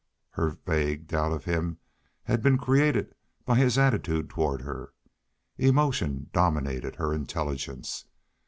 Her vague doubt of him had been created by his attitude toward her. Emotion dominated her intelligence.